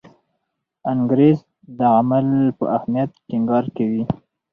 انګریز د عمل په اهمیت ټینګار کوي.